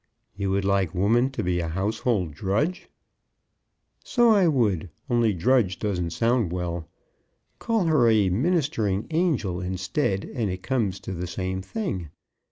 "You would like woman to be a household drudge." "So I would, only drudge don't sound well. Call her a ministering angel instead, and it comes to the same thing.